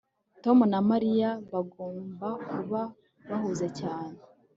Tom na Mariya bagomba kuba bahuze cyane